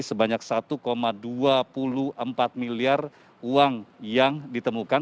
sebanyak satu dua puluh empat miliar uang yang ditemukan